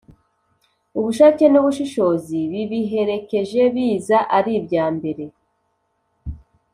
Ubushake n’ubushishozi bibiherekeje biza ari ibyambere